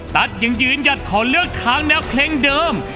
ตัดยังยืนอยากขอเลือกทั้งนะเพลงเดิม